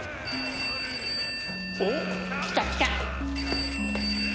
おっ来た来た！